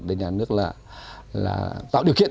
để nhà nước là tạo điều kiện